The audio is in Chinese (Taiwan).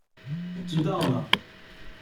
知道了